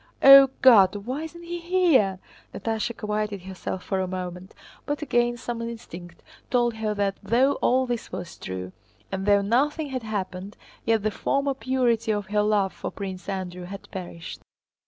O God, why isn't he here?" Natásha quieted herself for a moment, but again some instinct told her that though all this was true, and though nothing had happened, yet the former purity of her love for Prince Andrew had perished.